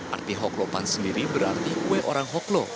arti hoklopan sendiri berarti kue orang hoklo